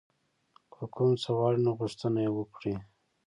که کوم څه غواړئ نو غوښتنه یې وکړئ.